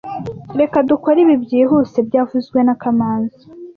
Reka dukore ibi byihuse byavuzwe na kamanzi